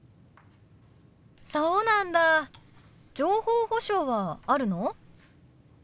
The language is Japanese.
そうなんだ情報保障はあるの？